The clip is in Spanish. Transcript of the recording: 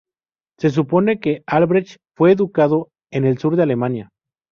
Se supone que Albrecht fue educado en el sur de Alemania.